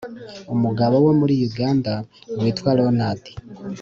umugabo wo muri uganda witwa ronald